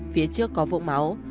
phía trước có vụn máu